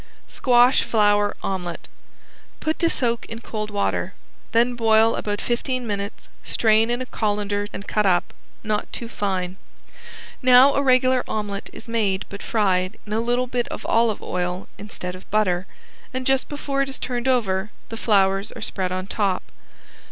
~SQUASH FLOWER OMELET~ Put to soak in cold water. Then boil about fifteen minutes, strain in a colander and cut up, not too fine. Now a regular omelet is made but fried in a little bit of olive oil instead of butter, and just before it is turned over the flowers are spread on top.